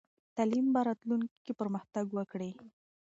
تعلیم به راتلونکې کې پرمختګ وکړي.